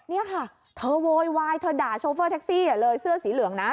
นี่ค่ะเธอโวยวายเธอด่าโชเฟอร์แท็กซี่เลยเสื้อสีเหลืองนะ